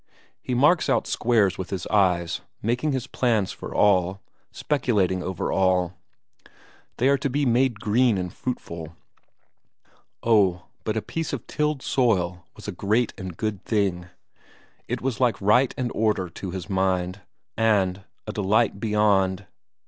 He marks out squares with his eye, making his plans for all, speculating over all; they are to be made green and fruitful. Oh, but a piece of tilled soil was a great and good thing; it was like right and order to his mind, and a delight beyond....